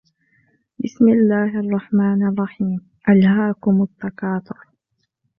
بِسْمِ اللَّهِ الرَّحْمَنِ الرَّحِيمِ أَلْهَاكُمُ التَّكَاثُرُ